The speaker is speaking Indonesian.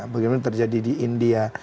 bagaimana terjadi di india